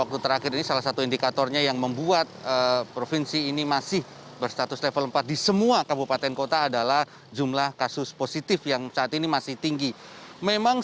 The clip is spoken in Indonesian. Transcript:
untuk mengetahui informasi terkini dari yogyakarta koresponden cnn indonesia hendrawan setiawan telah bergabung bersama kami